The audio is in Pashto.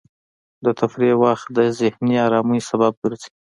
د تفریح وخت د ذهني ارامۍ سبب ګرځي.